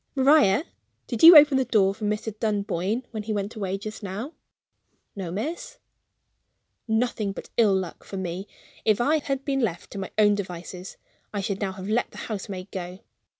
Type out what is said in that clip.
"Maria, did you open the door for Mr. Dunboyne when he went away just now?" "No, miss." Nothing but ill luck for me! If I had been left to my own devices, I should now have let the housemaid go.